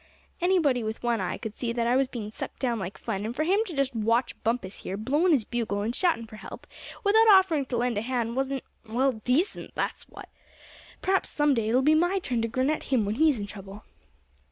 "Anybody with one eye could see that I was bein' sucked down like fun; and for him to just watch Bumpus here, blowin' his bugle, and shoutin' for help, without offerin' to lend a hand, wasn't well, decent, that's what. P'raps some day it'll be my turn to grin at him when he's in trouble."